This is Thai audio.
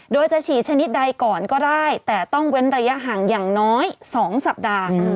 โดยจะฉีดชนิดใดก่อนก็ได้แต่ต้องเว้นระยะห่างอย่างน้อย๒สัปดาห์